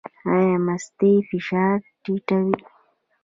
ایا مستې فشار ټیټوي؟